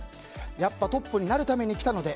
やっぱトップになるために来たので。